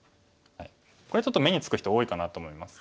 これちょっと目につく人多いかなと思います。